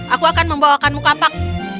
aku akan membawakan muka pak